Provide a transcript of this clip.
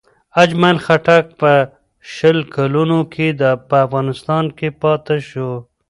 اجمل خټک په شل کلونو کې په افغانستان کې پاتې شو.